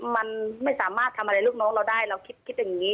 มันไม่สามารถทำอะไรลูกน้องเราได้เราคิดอย่างนี้